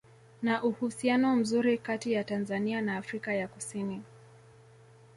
Na uhusiano mzuri kati ya Tanzania na Afrika ya kusini